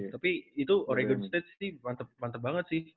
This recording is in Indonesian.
tapi itu oregon state ini mantep banget sih